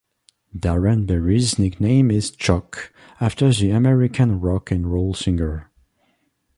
Darren Berry's nickname is "Chuck" after the American rock and roll singer.